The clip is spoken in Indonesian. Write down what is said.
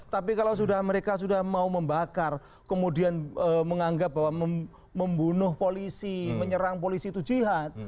tapi kalau mereka sudah mau membakar kemudian menganggap bahwa membunuh polisi menyerang polisi itu jihad